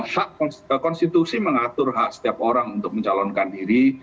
hak konstitusi mengatur hak setiap orang untuk mencalonkan diri